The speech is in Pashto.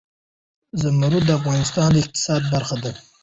زمرد د افغانستان د اقتصاد برخه ده.